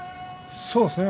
そうですね。